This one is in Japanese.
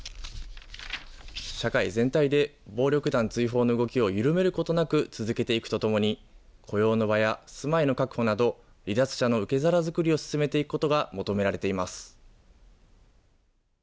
社会全体で暴力団追放の動きを緩めることなく、続けていくとともに、雇用の場や住まいの確保など、離脱者の受け皿作りを進めていくことが求められています。